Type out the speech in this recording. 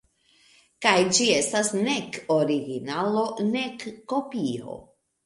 Kaj ĝi estas nek originalo, nek kopio.